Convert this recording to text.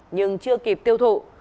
nhưng chưa kịp tiêu thụ